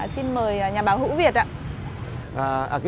xin mời nhà báo hữu việt ạ